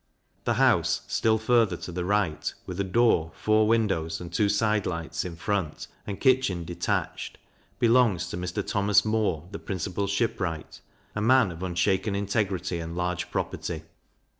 The House, still further to the right, with a door, four windows, and two side lights, in front, and kitchen detached, belongs to Mr. Thomas Moore, the principal shipwright, a man of unshaken integrity and large property.